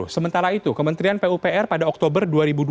sementara itu kementerian pupr pada oktober dua ribu dua puluh